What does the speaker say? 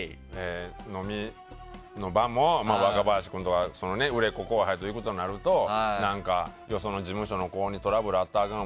飲みの場も若林君とか売れっ子後輩と行くとなるとよその事務所のほうにトラブルあったらかあ